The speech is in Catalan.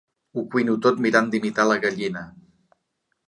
Ho cuino tot mirant d'imitar la gallina.